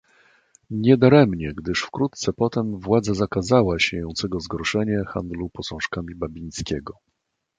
"Nie daremnie, gdyż wkrótce potem władza zakazała siejącego zgorszenie handlu posążkami Babińskiego."